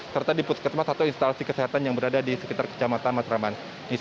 serta di puskesmas atau instalasi kesehatan yang berada di sekitar kecamatan matraman